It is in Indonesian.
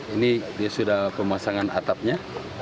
ini dia sudah pemasangan atapnya